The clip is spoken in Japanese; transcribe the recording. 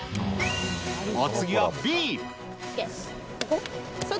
お次はＢ。